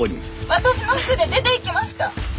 私の服で出ていきました。